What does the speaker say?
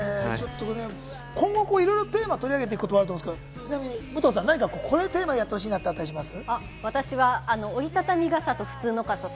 今後いろいろテーマ取り上げていくことあると思いますが、武藤さん、このテーマでやってほしいなってあったりします？